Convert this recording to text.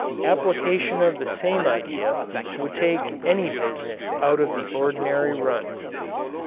Application of the same idea would take any business out of the ordinary run.